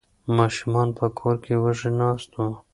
ماشومان په کور کې وږي ناست وو.